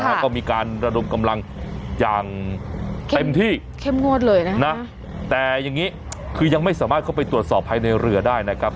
แล้วก็มีการระดมกำลังอย่างเต็มที่เข้มงวดเลยนะแต่อย่างนี้คือยังไม่สามารถเข้าไปตรวจสอบภายในเรือได้นะครับ